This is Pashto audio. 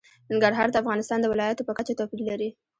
ننګرهار د افغانستان د ولایاتو په کچه توپیر لري.